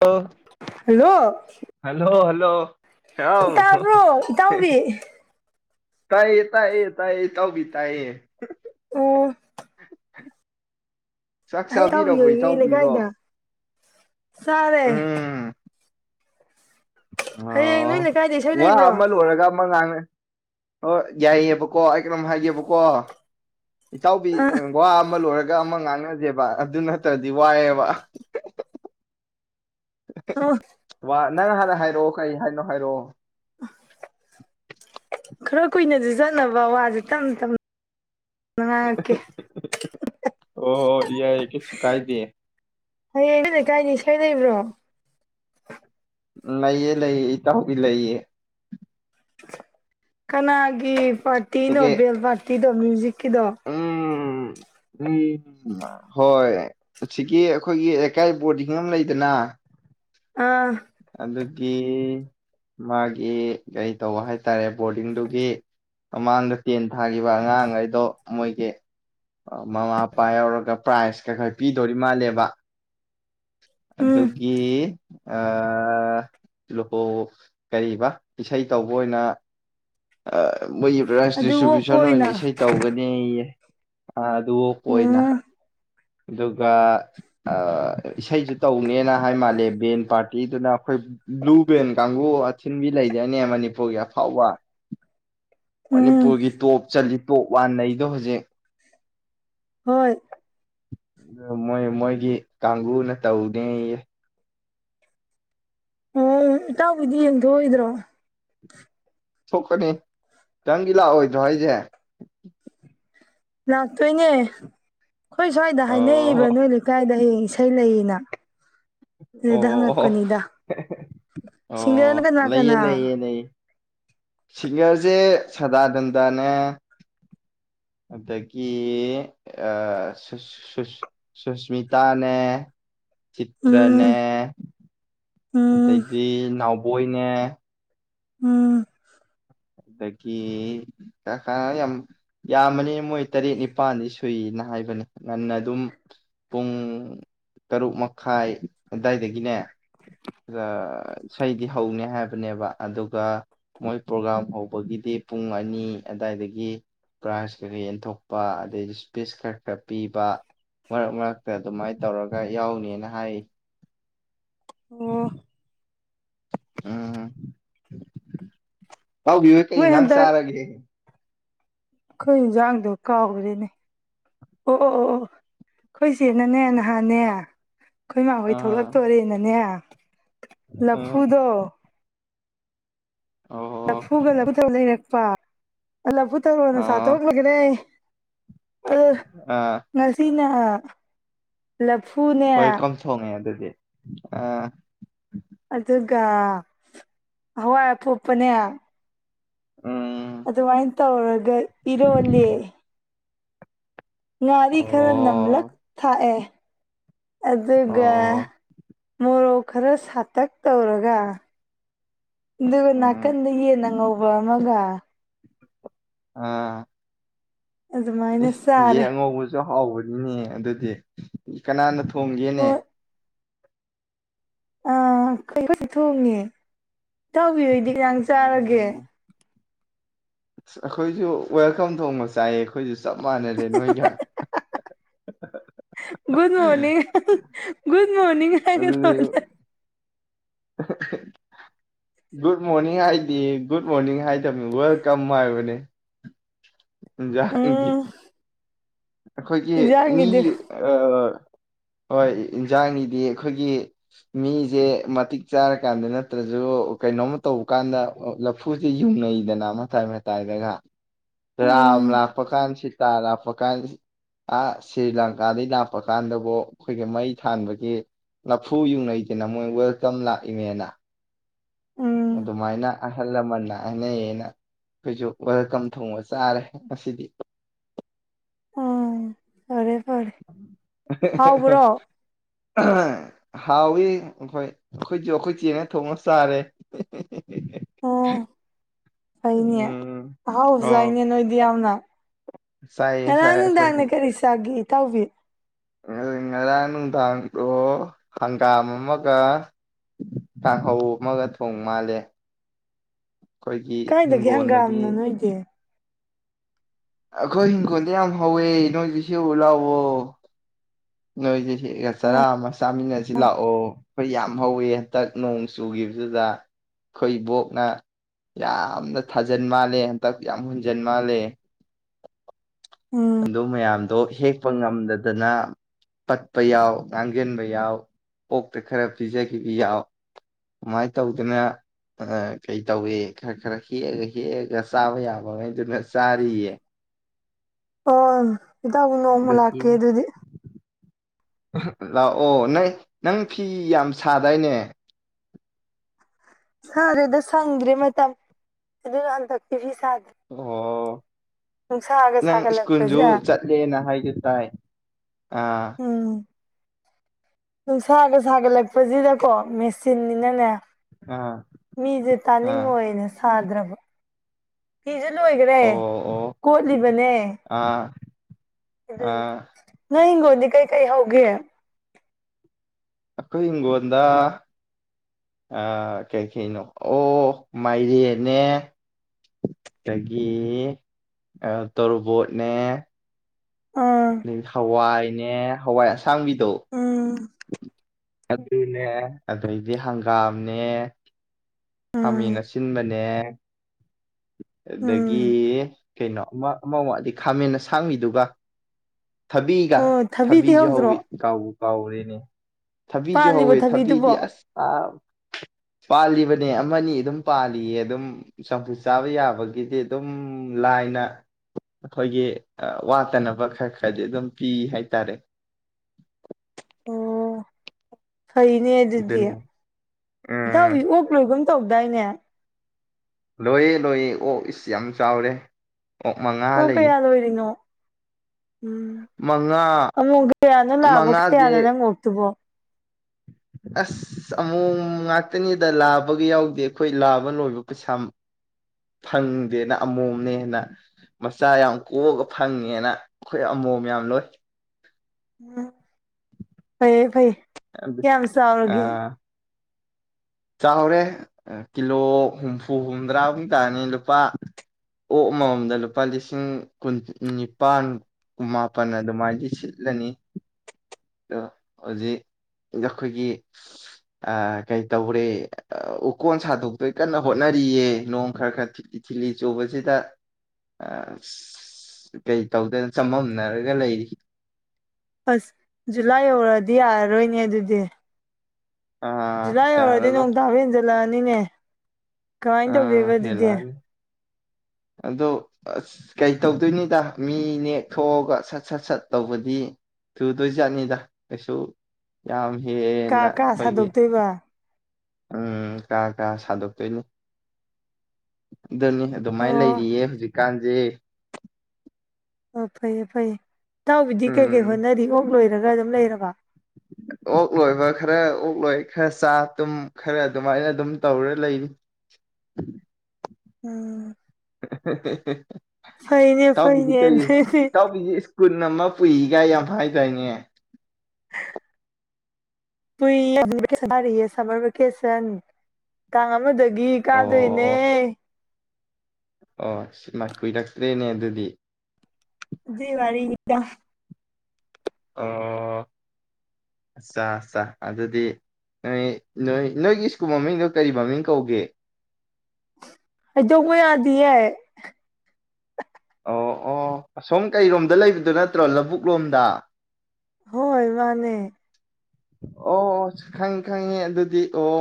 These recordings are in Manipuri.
ꯂꯣ ꯍꯜꯂꯣ ꯍꯜꯂꯣ ꯍꯜꯂꯣ ꯑꯥꯎ ꯇꯥꯕ꯭ꯔꯣ ꯏꯇꯥꯎꯕꯤ ꯇꯥꯏꯌꯦ ꯇꯥꯏꯌꯦ ꯇꯥꯏꯌꯦ ꯏꯇꯥꯎꯕꯤ ꯇꯥꯏꯌꯦ ꯑꯣ ꯆꯥꯛ ꯑꯩ ꯏꯇꯥꯎꯕꯤ ꯆꯥꯕꯤꯔꯕꯣ ꯍꯣꯏꯒꯤ ꯂꯩꯀꯥꯏꯗ ꯏꯇꯥꯎꯕꯤꯕꯣ ꯆꯥꯔꯦ ꯍꯌꯦꯡ ꯑꯥꯎ ꯅꯣꯏ ꯂꯩꯀꯥꯏꯗ ꯏꯁꯩ ꯋꯥ ꯂꯩꯕ꯭ꯔꯣ ꯑꯃ ꯂꯣꯏꯔꯒ ꯑꯃ ꯉꯥꯡ ꯍꯣꯏ ꯌꯥꯏꯑꯕꯀꯣ ꯑꯩ ꯀꯩꯅꯣꯝ ꯍꯥꯏꯒꯦꯕꯀꯣ ꯏꯇꯥꯎꯕꯤ ꯑ ꯋꯥ ꯑꯃ ꯂꯣꯏꯔꯒ ꯒ ꯑꯃ ꯉꯥꯡꯅꯁꯦꯕ ꯑꯗꯨ ꯅꯠꯇ꯭ꯔꯗꯤ ꯋꯥꯏꯑꯦꯕ ꯑ ꯋꯥ ꯅꯪ ꯍꯥꯟꯅ ꯍꯥꯏꯔꯛꯑꯣ ꯀꯩ ꯍꯥꯏꯅꯣ ꯍꯥꯏꯔꯛꯑꯣ ꯈꯔ ꯀꯨꯏꯅꯁꯨ ꯆꯠꯅꯕ ꯋꯥꯁꯦ ꯇꯞꯅ ꯇꯞꯅ ꯉꯥꯡꯉꯛꯀꯦ ꯑꯣ ꯌꯥꯏ ꯀꯩꯁꯨ ꯀꯥꯏꯗꯦ ꯈꯩꯗꯕ꯭ꯔꯣ ꯂꯩꯌꯦ ꯂꯩꯌꯦ ꯏꯇꯥꯎꯕꯤ ꯂꯩꯌꯦ ꯀꯅꯥꯒꯤ ꯄꯥꯔꯇꯤꯅꯣ ꯀꯩꯀꯩ ꯕꯦꯟ ꯄꯥꯔꯇꯤꯗꯣ ꯃ꯭ꯌꯨꯖꯤꯛꯀꯤꯗꯣ ꯎꯝ ꯎꯝ ꯍꯣꯏ ꯑꯁꯤꯀꯤ ꯑꯩꯈꯣꯏꯒꯤ ꯂꯩꯀꯥꯏ ꯕꯣꯔꯗꯤꯡ ꯑꯃ ꯂꯩꯗꯅ ꯑꯥ ꯑꯗꯨꯒꯤ ꯃꯥꯒꯤ ꯀꯔꯤ ꯇꯧꯕ ꯍꯥꯏꯇꯥꯔꯦ ꯕꯣꯔꯗꯤꯡꯗꯨꯒꯤ ꯃꯃꯥꯡꯗ ꯇꯦꯟ ꯊꯥꯒꯤꯕ ꯑꯉꯥꯡꯈꯩꯗꯣ ꯃꯣꯏꯒꯤ ꯃꯃꯥ ꯃꯄꯥ ꯌꯥꯎꯔꯒ ꯄ꯭ꯔꯥꯏꯖ ꯀꯩ ꯈꯔ ꯄꯤꯗꯣꯔꯤ ꯃꯥꯜꯂꯦꯕ ꯎꯝ ꯑꯗꯨꯒꯤ ꯂꯨꯍꯣ ꯀꯔꯤꯕ ꯏꯁꯩ ꯇꯧꯕ ꯑꯣꯏꯅ ꯃꯣꯏꯒꯤ ꯄꯔꯥꯏꯁ ꯑꯗꯨ ꯑꯣꯛꯄ ꯗꯤꯁꯇ꯭ꯔꯤꯕ꯭ꯌꯨꯁꯟ ꯑꯣꯏꯅ ꯏꯁꯩ ꯇꯧꯒꯅꯤꯌꯦ ꯑ ꯑꯗꯨ ꯑꯣꯝ ꯑꯣꯏꯅ ꯎꯝ ꯑꯗꯨꯒ ꯏꯁꯩꯁꯨ ꯇꯧꯅꯦꯅ ꯍꯥꯏ ꯃꯥꯜꯂꯦ ꯕꯦꯟ ꯄꯥꯔꯇꯤꯗꯨꯅ ꯑꯩꯈꯣꯏ ꯕ꯭ꯂꯨ ꯕꯦꯟ ꯀꯥꯡꯕꯨꯨ ꯑꯊꯤꯟꯕꯤ ꯂꯩꯗꯥꯏꯅꯦ ꯃꯅꯤꯄꯨꯔꯒꯤ ꯑꯐꯥꯎꯕ [inaudible] ꯎꯝ ꯃꯅꯤꯄꯨꯔꯒꯤ ꯇꯣꯞ ꯆꯜꯂꯤꯠ ꯇꯣꯞ ꯋꯥꯟ ꯂꯩꯗꯣ ꯍꯧꯖꯤꯛ ꯍꯣꯏ ꯑꯗꯨ ꯃꯣꯏ ꯃꯣꯏꯒꯤ ꯀꯥꯡꯕꯨꯨꯅ ꯇꯧꯗꯦꯌꯦ ꯑꯣ ꯏꯇꯥꯎꯕꯤꯗꯤ ꯌꯦꯡꯊꯣꯛꯑꯣꯏꯗ꯭ꯔꯣ ꯊꯣꯛꯀꯅꯤ ꯈꯤꯇꯪꯒꯤ ꯂꯥꯛꯑꯣꯏꯗ꯭ꯔꯣ ꯍꯥꯏꯁꯦ ꯂꯥꯛꯇꯣꯏꯅꯦ ꯑꯩꯈꯣꯏ ꯁ꯭ꯋꯥꯏꯗ ꯍꯥꯏꯅꯩꯕ ꯑꯣ ꯅꯣꯏ ꯂꯩꯀꯥꯏꯗ ꯍꯌꯦꯡ ꯏꯁꯩ ꯂꯩꯌꯦꯅ ꯑꯣ ꯑꯗꯨꯗ ꯑꯣ ꯍꯪꯉꯛꯄꯅꯤꯗ ꯑꯣ ꯁꯤꯡꯒ꯭ꯔꯅ ꯀꯅꯥ ꯂꯩꯌꯦ ꯀꯅꯥ ꯂꯩꯌꯦ ꯂꯩꯌꯦ ꯁꯤꯡꯒꯔꯁꯦ ꯁꯗꯥꯅꯟꯗꯅꯦ ꯑꯥꯗꯒꯤ ꯑꯥ ꯁꯨꯁ ꯁꯨꯁ ꯁꯨꯁꯃꯤꯇꯥꯅꯦ ꯎꯝ ꯆꯤꯇ꯭ꯔꯅꯦ ꯎꯝ ꯑꯗꯩꯗꯤ ꯅꯥꯎꯕꯣꯏꯅꯦ ꯎꯝ ꯑꯗꯒꯤ ꯌꯥꯝ ꯌꯥꯝꯕꯅꯤ ꯃꯣꯏ ꯇꯔꯦꯠ ꯅꯤꯄꯥꯜꯗꯤ ꯁꯨꯏꯑꯦꯅ ꯍꯥꯏꯕꯅꯦ ꯉꯟꯅ ꯑꯗꯨꯝ ꯄꯨꯡ ꯇꯔꯨꯛ ꯃꯈꯥꯏ ꯑꯗꯨꯏꯗꯒꯤꯅꯦ ꯏꯁꯩꯗꯤ ꯍꯧꯅꯤ ꯍꯥꯏꯕꯅꯦꯕ ꯑꯗꯨꯒ ꯃꯣꯏ ꯄ꯭ꯔꯣꯒꯥꯝ ꯍꯧꯕꯒꯤꯗꯤ ꯄꯨꯡ ꯑꯅꯤ ꯑꯗꯥꯏꯗꯒꯤ ꯄ꯭ꯔꯥꯏꯖ ꯀꯔꯤ ꯌꯦꯟꯊꯣꯛꯄ ꯑꯗꯩ ꯏꯁꯄꯤꯁ ꯈꯥꯔ ꯈꯥꯔ ꯄꯤꯕ ꯃꯔꯛ ꯃꯔꯛꯇ ꯑꯗꯨꯃꯥꯏꯅ ꯇꯧꯔꯒ ꯌꯥꯎꯅꯤꯅ ꯍꯥꯏ ꯑꯣ ꯎꯝ ꯏꯇꯥꯎꯕꯤꯕꯨ ꯀꯩ ꯃꯣꯏ ꯏꯟꯖꯥꯡ ꯆꯥꯔꯒꯦ ꯑꯈꯣꯏ ꯏꯟꯁꯥꯡꯗꯣ ꯀꯥꯎꯈ꯭ꯔꯦꯅꯦ ꯑꯣ ꯑꯣ ꯑꯣ ꯑꯈꯣꯏ ꯆꯦꯅꯅꯦ ꯅꯍꯥꯟꯅꯦ ꯑꯈꯣꯏ ꯃꯥ ꯍꯣꯏ ꯑꯥ ꯊꯣꯛꯂꯛꯇꯣꯔꯦꯅꯅꯦ ꯑꯥ ꯂꯐꯨꯗꯣ ꯑꯣ ꯂꯐꯨꯒ ꯂꯐꯨ ꯊꯧꯒ ꯂꯩꯔꯛꯄ ꯂꯐꯨ ꯊꯧꯔꯣꯅ ꯑꯥ ꯆꯥꯊꯣꯛ ꯂꯣꯏꯒꯔꯦ ꯑꯗ ꯑꯥ ꯉꯁꯤꯅ ꯂꯐꯨꯅꯦ ꯋꯦꯜꯀꯝ ꯊꯣꯡꯉꯦ ꯑꯗꯨꯗꯤ ꯑꯥ ꯑꯗꯨꯒ ꯍꯋꯥꯏ ꯑꯄꯣꯛꯄꯅꯦ ꯎꯝ ꯑꯗꯨꯃꯥꯏ ꯇꯧꯔꯒ ꯏꯔꯣꯜꯂꯦ ꯉꯥꯔꯤ ꯈꯥꯔ ꯅꯝꯂꯛ ꯑꯣ ꯊꯥꯛ ꯑꯦ ꯑꯗꯨꯒ ꯑꯣ ꯃꯣꯔꯣꯛ ꯈꯥꯔ ꯁꯥꯇꯛ ꯇꯧꯔꯒ ꯗꯨꯒ ꯎꯝ ꯅꯥꯀꯟꯗꯩ ꯌꯦꯟ ꯑꯉꯧꯕ ꯑꯃꯒ ꯑꯥ ꯑꯗꯨꯃꯥꯏꯅ ꯏꯁ ꯆꯥꯔꯦ ꯌꯦꯡ ꯑꯉꯧꯕꯁꯨ ꯍꯥꯎꯕꯅꯤꯅꯦ ꯑꯗꯨꯗꯤ ꯀꯅꯥꯅ ꯊꯣꯡꯒꯦꯅꯦ ꯍꯣꯏ ꯑꯥ [unintelligible] ꯏꯇꯥꯏꯕꯤꯍꯣꯏꯗꯤ ꯀꯩ ꯏꯟꯁꯥꯡ ꯆꯥꯔꯒꯦ ꯎꯝ ꯑꯁ ꯑꯈꯣꯏꯁꯨ ꯋꯦꯜꯀꯝ ꯊꯣꯡꯕ ꯆꯥꯏꯌꯦ ꯑꯈꯣꯏꯁꯨ ꯆꯞ ꯃꯥꯟꯅꯔꯦ ꯅꯣꯏꯒ good morning good morning ꯍꯥꯏꯒꯗꯕꯅꯤ [unintelligible] good morning ꯍꯥꯏꯗꯦ ꯒꯨꯠ ꯃꯣꯔꯅꯤꯡ ꯍꯥꯏꯗꯕꯅꯤ ꯋꯦꯜꯀꯝ ꯍꯥꯏꯕꯅꯤ ꯎꯝ [unintelligible] ꯑꯈꯣꯏꯒꯤ ꯃꯤ ꯏꯟꯖꯥꯡꯒꯤꯗꯤ ꯑꯥ [inaudible] ꯍꯣꯏ ꯏꯟꯖꯥꯡꯒꯤꯗꯤ ꯑꯈꯣꯏꯒꯤ ꯃꯤꯁꯦ ꯃꯇꯤꯛ ꯆꯥꯔꯀꯥꯟꯗ ꯅꯠꯇ꯭ꯔꯁꯨ ꯀꯩꯅꯣꯝꯃ ꯇꯧꯕ ꯀꯥꯟꯗ ꯂꯐꯨꯁꯤ ꯌꯨꯡꯅꯩꯗꯅ ꯃꯇꯥꯏ ꯃꯇꯥꯏꯗꯒ ꯔꯥꯝ ꯎꯝ ꯂꯥꯛꯄꯀꯥꯟ ꯁꯤꯇꯥ ꯂꯥꯛꯄꯀꯥꯟ ꯑꯥ ꯁꯔꯤ ꯂꯪꯀꯥꯗꯒꯤ ꯂꯥꯛꯄ ꯀꯥꯟꯗꯕꯨ ꯑꯈꯣꯏꯒꯤ ꯃꯩ ꯊꯥꯟꯕꯒꯤ ꯂꯐꯨ ꯌꯨꯡꯅꯩꯗꯅ ꯃꯣꯏ ꯋꯦꯜꯀꯝ ꯂꯥꯛꯏꯅꯦꯅ ꯎꯝ ꯑꯗꯨꯃꯥꯏꯅ ꯑꯍꯜ ꯂꯃꯟꯅ ꯍꯥꯏꯅꯩꯌꯦꯅ ꯑꯈꯣꯏꯁꯨ ꯋꯦꯜꯀꯝ ꯊꯣꯡꯕ ꯆꯥꯔꯦ ꯉꯁꯤꯗꯤ ꯎꯝ ꯐꯔꯦ ꯐꯔꯦ ꯑꯍꯥ ꯍꯥꯎꯕ꯭ꯔꯣ ꯑꯍꯥ ꯑꯍꯥ ꯑꯍꯝ ꯍꯥꯎꯋꯤ ꯑꯈꯣꯏ ꯑꯈꯣꯏꯁꯨ ꯑꯈꯣꯏ ꯆꯦꯅ ꯊꯣꯡꯉ ꯆꯥꯔꯦ ꯑꯣ ꯐꯩꯅꯦ ꯎꯝ ꯑꯣ ꯑꯍꯥꯎꯕꯆꯥꯏꯅꯦ ꯅꯣꯏꯗꯤ ꯌꯥꯝꯅ ꯆꯥꯏꯌꯦ ꯉꯔꯥꯡ ꯆꯥꯏ ꯅꯨꯡꯗꯥꯡꯅ ꯀꯔꯤ ꯆꯥꯒꯦ ꯏꯇꯥꯎꯕꯤ ꯉ ꯉꯔꯥꯡ ꯅꯨꯡꯗꯥꯡꯗꯣ ꯍꯪꯒꯥꯝ ꯑꯃꯒ ꯀꯥꯡꯍꯧ ꯑꯃꯒ ꯊꯣꯡ ꯃꯥꯜꯂꯦ ꯑꯩꯈꯣꯏꯒꯤ ꯀꯥꯏꯗꯒꯤ ꯍꯤꯡꯒꯣꯜꯗꯒꯤ ꯍꯪꯒꯥꯝꯅꯣ ꯅꯣꯏꯒꯤ ꯑꯈꯣꯏ ꯏꯪꯈꯣꯜꯗ ꯌꯥꯝ ꯍꯧꯋꯦ ꯅꯣꯏꯁꯨ ꯍꯦꯛꯎ ꯂꯥꯛꯑꯣ ꯅꯣꯏꯖꯨ ꯍꯦꯛꯑ ꯑꯣ ꯆꯔꯥ ꯑꯃ ꯆꯥꯃꯤꯟꯅꯁꯤ ꯂꯥꯛꯑꯣ ꯑꯈꯣꯏ ꯌꯥꯝ ꯍꯧꯋꯦ ꯍꯟꯗꯛ ꯅꯣꯡ ꯆꯨꯈꯤꯕ ꯆꯨꯗꯨꯗ ꯈꯣꯏ ꯏꯕꯣꯛꯅ ꯌꯥꯝꯅ ꯊꯥꯖꯟ ꯃꯥꯜꯂꯦ ꯍꯟꯗꯛ ꯌꯥꯝ ꯍꯨꯟꯖꯟ ꯃꯥꯜꯂꯦ [inaudible] ꯎꯝ ꯑꯗꯨ ꯃꯌꯥꯝꯗꯣ ꯍꯦꯛꯄ ꯉꯝꯗꯗꯅ ꯄꯠꯄ ꯌꯥꯎ ꯉꯥꯡꯁꯤꯟꯕ ꯌꯥꯎ ꯑꯣꯛꯇ ꯈꯥꯔ ꯄꯤꯖꯈꯤꯕ ꯌꯥꯎ ꯗꯨꯃꯥꯏ ꯇꯧꯗꯅ ꯈꯥꯔ ꯀꯩ ꯇꯧꯋꯦ ꯈꯔ ꯈꯔ ꯍꯦꯛꯑꯒ ꯍꯦꯛꯑꯒ ꯆꯥꯕ ꯌꯥꯕꯒꯩꯗꯨꯅ ꯆꯥꯔꯤ ꯌꯦ ꯑꯣ ꯏꯇꯥꯎꯕꯨ ꯅꯣꯡꯃ ꯍꯟꯗꯛ ꯂꯥꯛꯀꯦ ꯑꯗꯨꯗꯤ ꯂꯥꯛꯑꯣ ꯅꯪ ꯅꯪ ꯐꯤ ꯌꯥꯝ ꯁꯥꯗꯥꯏꯅꯦ ꯁꯥꯗꯦꯗ ꯁꯪꯗ꯭ꯔꯦ ꯃꯇꯝ ꯑꯗꯨꯅ ꯍꯟꯇꯛꯇꯤ ꯐꯤ ꯁꯥꯗꯦ ꯑꯣ ꯅꯪ ꯁ꯭ꯀꯨꯜꯁꯨ ꯁꯥꯒꯠꯂꯛꯄꯁꯤꯗ ꯆꯠꯂꯦꯅ ꯍꯥꯏꯒꯦ ꯇꯥꯏ ꯑꯥ ꯎꯝ ꯅꯨꯡꯁꯥꯒ ꯁꯥꯒꯠꯂꯛꯄꯁꯤꯗꯀꯣ ꯃꯦꯆꯤꯟꯅꯤꯅꯅꯦ ꯑꯥ ꯃꯤꯁꯦ ꯑꯥ ꯇꯥꯅꯤꯡꯉꯣꯏꯅ ꯁꯥꯗ꯭ꯔꯕ ꯐꯤꯁꯨ ꯂꯣꯏꯈ꯭ꯔꯦ ꯑꯣ ꯑꯣ ꯀꯣꯠꯂꯤꯕꯅꯦ ꯑꯥ ꯑꯗꯨꯒꯤ ꯑꯥ ꯅꯣꯏ ꯏꯪꯒꯣꯟꯗꯤ ꯀꯩ ꯀꯩ ꯍꯧꯒꯦ ꯑꯈꯣꯏ ꯏꯤꯡꯒꯣꯟꯗ ꯑꯥ ꯀꯩꯀꯩꯅꯣ ꯑꯣ ꯃꯥꯏꯔꯦꯟꯅꯦ ꯑꯗꯒꯤ ꯇꯣꯔꯣꯕꯣꯠꯅꯦ ꯑꯥ ꯅꯦ ꯍꯋꯥꯏ ꯑꯁꯥꯡꯕꯤꯗꯣ ꯎꯝ ꯑꯗꯨꯅꯦ ꯑꯗꯩꯗꯤ ꯍꯪꯒꯥꯝꯅꯦ ꯈꯥꯃꯦꯟ ꯎꯝ ꯑꯁꯤꯟꯕꯅꯦ ꯑꯗꯒꯤ ꯎꯝ ꯀꯩꯅꯣ ꯑꯃ ꯑꯃ ꯋꯥꯠꯂꯤ ꯈꯥꯃꯦꯟ ꯑꯁꯥꯡꯕꯤꯗꯨꯒ ꯊꯕꯤꯒ ꯑꯣ ꯊꯕꯤꯗꯤ ꯊꯕꯤꯁꯨ ꯍꯧꯗ꯭ꯔꯣ ꯍꯧꯋꯤ ꯀꯥꯎꯕꯨ ꯀꯥꯎꯔꯦꯅꯦ ꯊꯕꯤꯁꯨ ꯍꯧꯋꯦ ꯄꯥꯜꯂꯤꯕ ꯊꯕꯤꯗꯤ ꯊꯕꯤꯗꯨꯕꯣ ꯑꯁ ꯑꯥ ꯄꯥꯜꯂꯤꯕꯅꯦ ꯑꯃꯅꯤ ꯗꯨꯝ ꯄꯥꯜꯂꯤꯌꯦ ꯑꯗꯨꯝ ꯆꯝꯐꯨꯠ ꯆꯥꯕ ꯌꯥꯕꯒꯤꯗꯤ ꯑꯗꯨꯝ ꯂꯥꯏꯅ ꯑꯈꯣꯏꯒꯤ ꯋꯥꯠꯇꯅꯕ ꯈꯥꯔ ꯈꯥꯔꯗꯤ ꯑꯗꯨꯝ ꯄꯤ ꯍꯥꯏꯇꯥꯔꯦ ꯑꯣ ꯐꯩꯅꯦ ꯑꯗꯨꯗꯤ ꯑꯗꯨꯅꯤ ꯎꯝ ꯏꯇꯥꯎꯒꯤ ꯑꯣꯛ ꯂꯣꯏꯒꯨꯝ ꯇꯧꯗꯥꯏꯅꯦ ꯂꯣꯏꯌꯦ ꯂꯣꯏꯌꯦ ꯑꯣꯛ ꯏꯁ ꯌꯥꯝ ꯆꯥꯎꯔꯦ ꯑꯣ ꯃꯉꯥ ꯑꯣꯛ ꯂꯩ ꯀꯌꯥ ꯂꯣꯏꯔꯤꯅꯣ ꯎꯝ ꯃꯉꯥ ꯑꯃꯣꯝ ꯀꯌꯥꯅꯣ ꯂꯥꯕ ꯃꯉꯥꯁꯦ ꯀꯌꯥꯅꯣ ꯅꯪ ꯑꯣꯛꯇꯨꯕꯣ [inaudible] ꯑꯁ ꯑꯃꯣꯝ ꯉꯥꯛꯇꯅꯤꯗ ꯂꯥꯕꯒ ꯌꯥꯎꯗꯦ ꯑꯈꯣꯏ ꯂꯥꯕ ꯂꯣꯏꯕ ꯄꯩꯁꯥ ꯐꯪꯗꯦꯅ ꯑꯃꯣꯝꯅꯦ ꯍꯦꯟꯅ ꯃꯆꯥ ꯌꯥꯝ ꯀꯣꯛꯑꯒ ꯐꯪꯉꯦꯅ ꯑꯈꯣꯏ ꯑꯃꯣꯝ ꯌꯥꯝ ꯂꯣꯏ ꯎꯝ ꯐꯩꯌꯦ ꯐꯩꯌꯦ ꯑꯗꯨ ꯀꯌꯥꯝ ꯑ ꯆꯥꯎꯔꯒꯦ ꯆꯥꯎꯔꯦ ꯀꯤꯂꯣ ꯍꯨꯝꯐꯨ ꯍꯨꯝꯗ꯭ꯔꯥꯃꯨ ꯇꯥꯅꯤ ꯂꯨꯄꯥ ꯑꯣꯛ ꯑꯃꯃꯝꯗ ꯂꯨꯄꯥ ꯂꯤꯁꯤꯡ ꯀꯨ ꯅꯤꯄꯥꯥꯟ ꯀꯨꯟ ꯃꯄꯟ ꯑꯗꯨꯃꯥꯏꯗꯤ ꯁꯤꯠꯂꯅꯤ ꯗꯣ ꯍꯧꯖꯤꯛ ꯑꯈꯣꯏꯒꯤ ꯑꯥ ꯀꯩ ꯇꯧꯔꯦ ꯎꯀꯣꯟ ꯁꯥꯗꯣꯛꯇꯣꯏ ꯀꯟꯅ ꯍꯣꯠꯅꯔꯤꯌꯦ ꯅꯣꯡ ꯈꯥꯔ ꯈꯥꯔ ꯊꯤꯂꯤ ꯊꯤꯠꯂꯤ ꯆꯨꯕꯁꯤꯗ ꯑꯁ ꯀꯩ ꯇꯧꯗꯣꯏꯅꯣ ꯆꯃꯝꯅꯔꯒ ꯂꯩꯔꯤ ꯑꯁ ꯖꯨꯂꯥꯏ ꯌꯧꯔꯛꯑꯗꯤ ꯌꯥꯔꯔꯣꯏꯅꯦ ꯑꯗꯨꯗꯤ ꯑꯥ ꯖꯨꯂꯥꯏ ꯌꯧꯔꯗꯤ ꯅꯣꯡ ꯌꯥꯔꯔꯣꯏ ꯇꯥꯕ ꯍꯦꯟꯖꯜꯂꯛꯑꯅꯤꯅꯦ ꯀꯃꯥꯏꯅ ꯇꯧꯗꯣꯏꯕ ꯑꯥ ꯑꯗꯨꯗꯤ ꯍꯦꯜꯂꯛꯑꯅꯤ ꯑꯗꯣ ꯑꯁ ꯀꯩ ꯇꯧꯗꯣꯏꯅꯤꯗ ꯃꯤ ꯅꯦꯛꯊꯣꯛꯑꯒ ꯁꯠ ꯁꯠ ꯁꯠ ꯇꯧꯕꯗꯤ ꯊꯨꯗꯣꯏ ꯖꯥꯠꯅꯤꯗ ꯀꯩꯁꯨ ꯌꯥꯝ ꯀꯥ ꯍꯦꯟꯅ ꯀꯥ ꯑꯈꯣꯏꯒꯤ ꯁꯥꯗꯣꯛꯇꯣꯏꯕ ꯎꯝ ꯀꯥ ꯀꯥ ꯁꯥꯗꯣꯛ ꯇꯣꯏꯅꯤ ꯑꯗꯨꯅꯤ ꯑꯗꯨꯃꯥꯏꯅ ꯑꯣ ꯂꯩꯔꯤꯌꯦ ꯍꯧꯖꯤꯛꯀꯥꯟꯁꯦ ꯑꯣ ꯐꯩꯌꯦ ꯐꯩꯌꯦ ꯏꯇꯥꯎꯕꯤꯗꯤ ꯀꯩ ꯀꯩ ꯎꯝ ꯍꯣꯠꯅꯔꯤ ꯑꯣꯛ ꯂꯣꯏꯔꯒ ꯑꯗꯨꯝ ꯂꯩꯔꯕ ꯑꯣꯛ ꯂꯣꯏꯕ ꯈꯔ ꯑꯣꯛ ꯂꯣꯏ ꯈꯥꯔ ꯆꯥ ꯇꯨꯝ ꯈꯥꯔ ꯑꯗꯨꯃꯥꯏꯅ ꯑꯗꯨꯝ ꯇꯧꯔ ꯂꯩꯔꯤ ꯎꯝ ꯐꯩꯅꯦ [inaudible] ꯏꯇꯥꯎꯕꯤꯗꯤ ꯐꯩꯅꯦ ꯀꯔꯤ ꯑꯗꯨꯗꯤ ꯇꯥꯎꯕꯤꯁꯤ ꯁ꯭ꯀꯨꯜ ꯑꯃ ꯄꯨꯏꯒ ꯌꯥꯝ ꯍꯥꯏ ꯗꯥꯏꯅꯦ ꯄꯨꯔꯤꯌꯦ ꯁꯝꯃꯔ ꯚꯦꯀꯦꯁꯟ ꯇꯥꯡ ꯑꯃꯗꯩ ꯒꯤ ꯀꯥꯗꯣꯏꯅꯦ ꯑꯣ ꯑꯣ ꯁꯤꯃ ꯀꯨꯏꯔꯛꯇ꯭ꯔꯦꯅꯦ ꯑꯗꯨꯗꯤ ꯑꯗꯨꯏꯋꯥꯔꯤꯅꯤꯗ ꯑꯣ ꯑꯆꯥ ꯑꯆꯥ ꯑꯗꯨꯗꯤ ꯅꯣꯏ ꯅꯣꯏ ꯅꯣꯏꯒꯤ ꯁ꯭ꯀꯨꯜ ꯃꯃꯤꯡꯗꯣ ꯀꯔꯤ ꯃꯃꯤꯡ ꯀꯧꯒꯦ ꯍꯥꯏꯗꯣꯛꯄ ꯌꯥꯗꯤꯌꯦ ꯑꯣ ꯑꯣ ꯑꯁꯣꯝ ꯀꯩꯔꯣꯝꯗ ꯂꯩꯕꯗꯨ ꯅꯠꯇ꯭ꯔꯣ ꯂꯧꯕꯨꯛ ꯂꯣꯝꯗ ꯍꯣꯏ ꯃꯥꯅꯦ ꯑꯣ ꯈꯪꯉꯦ ꯈꯪꯉꯦ ꯑꯗꯨꯗꯤ ꯑꯣ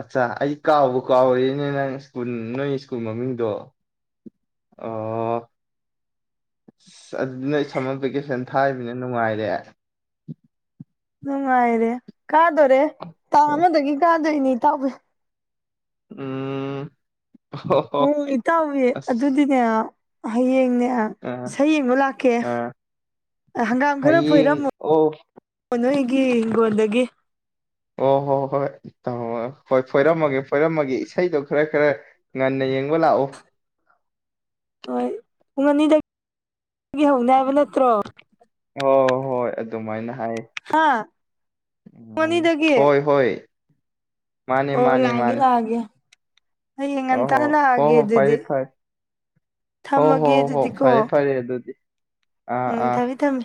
ꯑꯠꯆꯥ ꯑꯩ ꯀꯥꯎꯕ ꯀꯥꯎꯔꯦꯅꯦ ꯅꯪ ꯁ꯭ꯀꯨꯜ ꯅꯣꯏ ꯁ꯭ꯀꯨꯜ ꯃꯃꯤꯡꯗꯣ ꯑꯣ ꯑꯁ ꯑꯗꯨ ꯅꯣꯏ ꯁꯝꯃꯔ ꯚꯦꯀꯦꯁꯟ ꯊꯥꯔꯤꯕꯅꯤꯅ ꯅꯨꯡꯉꯥꯏꯔꯦ ꯅꯨꯡꯉꯥꯏꯔꯦ ꯀꯥꯗꯣꯔꯦ ꯇꯥꯡ ꯑꯃꯗꯒꯤ ꯀꯥꯗꯣꯏꯅꯦ ꯏꯇꯥꯎꯕꯤ ꯎꯝ ꯑꯣ ꯍꯣ ꯎꯝ ꯏꯇꯥꯎꯕꯤ ꯑꯁ ꯑꯗꯨꯗꯤꯅꯦ ꯍꯌꯦꯡꯅꯦ ꯑꯥ ꯏꯁꯩ ꯌꯦꯡꯕ ꯂꯥꯛꯀꯦ ꯑꯥ ꯍꯪꯒꯥꯝ ꯈꯥꯔ ꯍꯌꯦꯡ ꯐꯣꯏꯔꯝꯃꯨ ꯑꯣ ꯅꯣꯏꯒꯤ ꯍꯤꯡꯒꯣꯜꯗꯒꯤ ꯑꯣ ꯍꯣ ꯍꯣ ꯍꯣꯏ ꯍꯣꯏ ꯐꯣꯏꯔꯝꯃꯒꯦ ꯐꯣꯏꯔꯝꯃꯒꯦ ꯏꯁꯩꯗꯣ ꯈꯥꯔ ꯈꯥꯔ ꯉꯟꯅ ꯌꯦꯡꯕ ꯂꯥꯛꯎ ꯍꯣꯏ ꯄꯨꯡ ꯑꯅꯤꯗꯒꯤ ꯍꯧꯅꯤ ꯍꯥꯏꯕ ꯅꯠꯇ꯭ꯔꯣ ꯑꯣ ꯍꯣꯏ ꯑꯗꯨꯃꯥꯏꯅ ꯍꯥꯏ ꯍꯥ ꯄꯨꯡ ꯎꯝ ꯑꯅꯤꯗꯒꯤ ꯍꯣꯏ ꯍꯣꯏ ꯃꯥꯟꯅꯦ ꯑꯣ ꯃꯥꯟꯅꯦ ꯂꯥꯛꯑꯒꯦ ꯃꯥꯟꯅꯦ ꯂꯥꯛꯑꯒꯦ ꯍꯌꯦꯡ ꯑꯣꯍꯣ ꯉꯟꯇꯥꯅ ꯍꯣ ꯂꯥꯛꯑꯒꯦ ꯍꯣ ꯍꯣ ꯑꯗꯨꯗꯤ ꯐꯩꯌꯦ ꯐꯩꯌꯦ ꯍꯣ ꯍꯣ ꯊꯝꯃꯒꯦ ꯍꯣ ꯑꯗꯨꯗꯤꯀꯣ ꯐꯔꯦ ꯐꯔꯦ ꯑꯗꯨꯗꯤ ꯑꯥ ꯎꯝ ꯑꯥ ꯊꯝꯃꯦ ꯊꯝꯃꯦ